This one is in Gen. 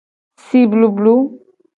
Si blublu.